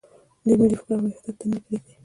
دوی ملي فکر او وحدت ته نه پرېږدي.